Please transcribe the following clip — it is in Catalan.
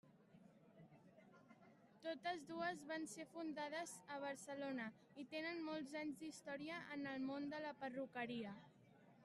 Totes dues van ser fundades a Barcelona i tenen molts anys d'història en el món de la perruqueria.